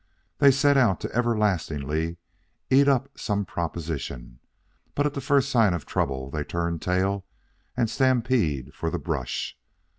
They set out to everlastingly eat up some proposition but at the first sign of trouble they turn tail and stampede for the brush.